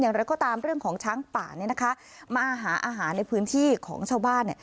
อย่างไรก็ตามเรื่องของช้างป่ามาหาอาหารในพื้นที่ของชาวบ้าน